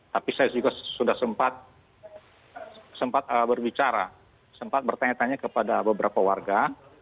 tapi saya juga sudah sempat berbicara sempat bertanya tanya kepada beberapa warga